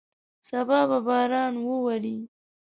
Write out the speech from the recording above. سبا به باران ووري.